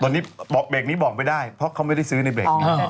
ตอนนี้เบรกนี้บอกไม่ได้เพราะเขาไม่ได้ซื้อในเบรกนี้